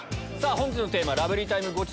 本日のテーマ「ラブリータイムゴチ！」。